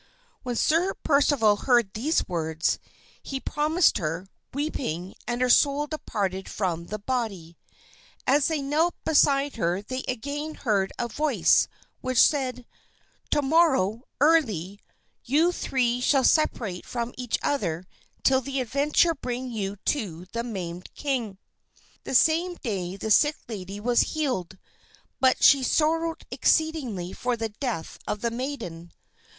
When Sir Percival heard these words he promised her, weeping, and her soul departed from the body. As they knelt beside her they again heard a voice which said, "To morrow early you three shall separate from each other till the adventure bring you to the maimed king." The same day the sick lady was healed, but she sorrowed exceedingly for the death of the maiden.